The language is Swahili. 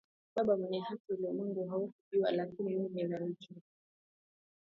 Baba mwenye haki ulimwengu haukukujua lakini mimi nalikujua